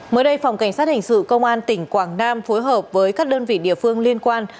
mới đây phòng cảnh sát hình sự công an tỉnh quảng nam phối hợp với các đơn vị địa phương liên quan